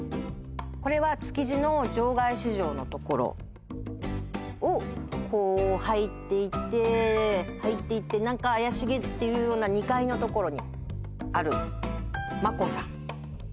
これは築地の場外市場のところをこう入っていって入っていって何か怪しげっていうような２階のところにあるマコさん